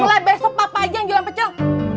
setelah besok papa aja yang jualan pecel